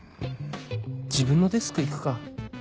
自分のデスク行くか